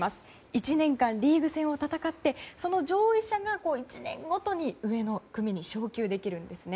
１年間リーグ戦を戦ってその上位者が１年ごとに上の組に昇級できるんですね。